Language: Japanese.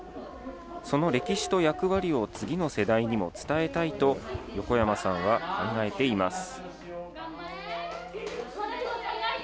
その歴史と役割を次の世代にも伝えたいと、横山さんは考えています。